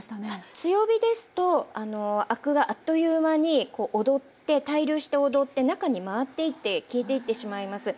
強火ですとアクがあっという間にこう躍って対流して躍って中に回っていって消えていってしまいます。